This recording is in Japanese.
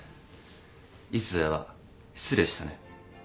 いつぞやは失礼したね。